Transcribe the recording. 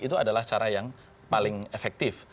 itu adalah cara yang paling efektif